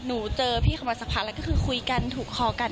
หนูเจอพี่เขามาสักพักแล้วก็คือคุยกันถูกคอกัน